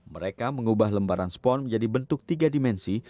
mereka mengubah lembaran spon menjadi bentuk tiga dimensi